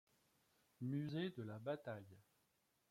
Musée de la bataille.